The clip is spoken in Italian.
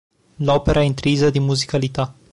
L'opera è intrisa di musicalità.